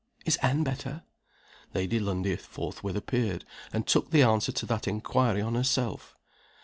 Is Anne better?" Lady Lundie forthwith appeared, and took the answer to that inquiry on herself.